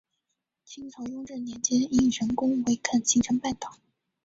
清朝雍正年间因人工围垦形成半岛。